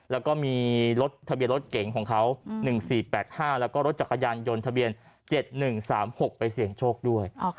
แล้วก็มีรถทะเบียนรถเก่งของเขา๑๔๘๕แล้วก็รถจักรยานยนต์ทะเบียน๗๑๓๖ไปเสี่ยงโชคด้วย